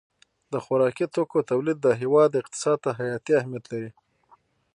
د خوراکي توکو تولید د هېواد اقتصاد ته حیاتي اهمیت لري.